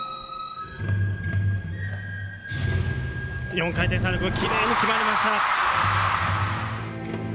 ４回転サルコー、きれいに決まりました。